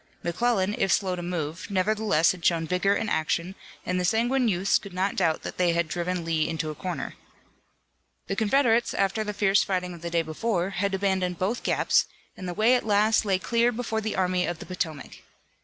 McClellan, if slow to move, nevertheless had shown vigor in action, and the sanguine youths could not doubt that they had driven Lee into a corner. The Confederates, after the fierce fighting of the day before, had abandoned both gaps, and the way at last lay clear before the Army of the Potomac.